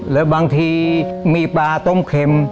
แล้วบางทีมีปลาต้มเข็ม